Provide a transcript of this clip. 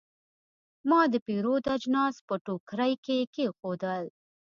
ما د پیرود اجناس په ټوکرۍ کې کېښودل.